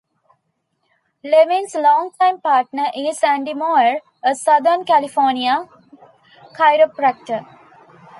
Levin's longtime partner is Andy Mauer, a Southern California chiropractor.